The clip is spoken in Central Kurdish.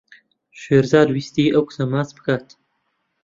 شێرزاد ویستی ئەو کچە ماچ بکات.